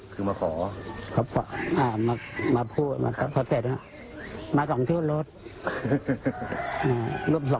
คือมาขอมาพูดเพราะเศรษฐ์มา๒ชุดรถ